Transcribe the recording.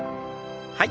はい。